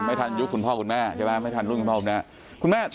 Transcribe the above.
ไม่ทันยุคคุณพ่อคุณแม่ใช่ไหมไม่ทันรุ่นคุณพ่อคุณแม่